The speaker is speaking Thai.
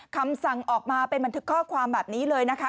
คำสั่งออกมาเป็นบันทึกข้อความแบบนี้เลยนะคะ